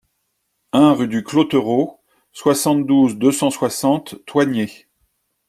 un rue du Clotereau, soixante-douze, deux cent soixante, Thoigné